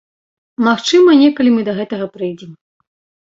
Магчыма, некалі мы да гэтага прыйдзем.